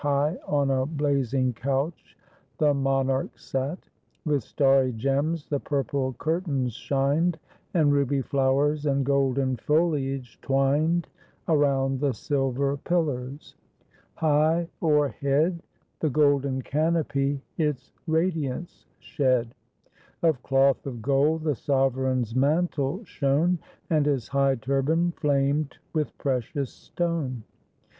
High on a blazing couch the monarch sate, With starry gems the purple curtains shined, And ruby flowers and golden foliage twined Around the silver pillars: high o'erhead The golden canopy its radiance shed: Of cloth of gold the sovereign's mantle shone, And his high turban flamed with precious stone.